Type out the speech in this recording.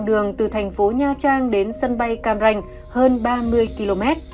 đường từ thành phố nha trang đến sân bay cam ranh hơn ba mươi km